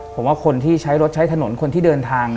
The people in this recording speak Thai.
ผมว่าคนที่ใช้รถใช้ถนนคนที่เดินทาง